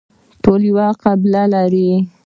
ټول یوه قبله لري